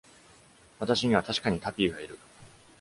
私には確かにタピーがいる。